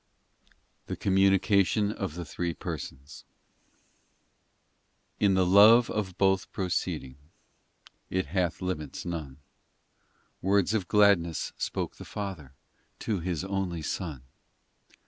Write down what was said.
THE COMMUNICATION OF THE THREE PERSONS IN the Love from. Both proceeding It hath limits none. Words of gladness spoke the Father To His only Son.